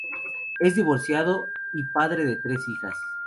Es divorciado y padre de tres hijas.